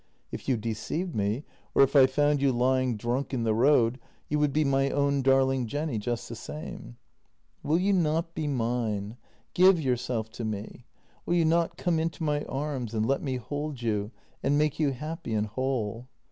If you deceived me or if I found you lying drunk in the road, you would be my own darling Jenny just the same. "Will you not be mine — give yourself to me? Will you not come into my arms and let me hold you and make you happy and whole?